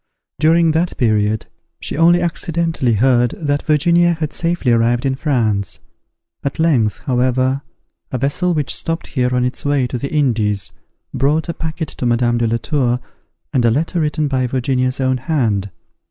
During that period she only accidently heard that Virginia had safely arrived in France. At length, however, a vessel which stopped here on its way to the Indies brought a packet to Madame de la Tour, and a letter written by Virginia's own hand.